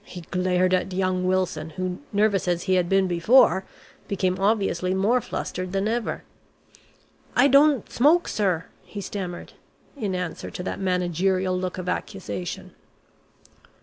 He glared at young Wilson, who, nervous as he had been before, became obviously more flustered than ever. "I don't smoke, sir," he stammered in answer to that managerial look of accusation.